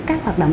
các hoạt động